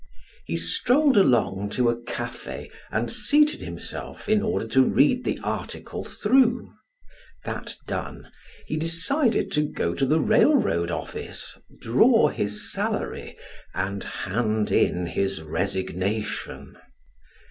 He strolled along to a cafe and seated himself in order to read the article through; that done he decided to go to the railroad office, draw his salary, and hand in his resignation.